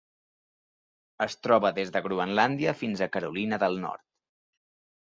Es troba des de Groenlàndia fins a Carolina del Nord.